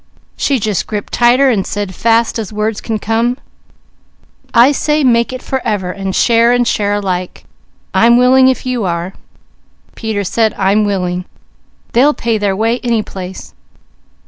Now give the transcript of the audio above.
She just gripped tighter and said fast as words can come, 'I say make it forever, and share and share alike. I'm willing if you are.' Peter, he said, 'I'm willing. They'll pay their way any place.